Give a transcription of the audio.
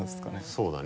そうだね。